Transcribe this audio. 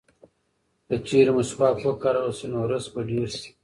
که چېرې مسواک وکارول شي نو رزق به ډېر شي.